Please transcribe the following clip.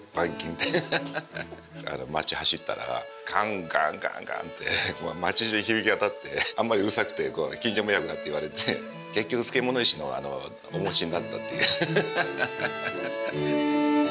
だから街走ったらカンカンカンカンって街じゅうに響き渡ってあんまりうるさくて近所迷惑だって言われて結局漬物石のおもしになったっていう。